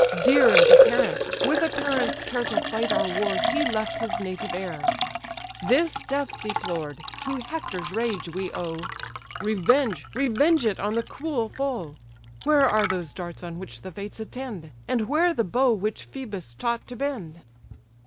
Dear as a parent, with a parent's care To fight our wars he left his native air. This death deplored, to Hector's rage we owe; Revenge, revenge it on the cruel foe. Where are those darts on which the fates attend? And where the bow which Phœbus taught to bend?"